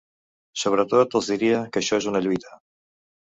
Sobretot els diria que això és una lluita.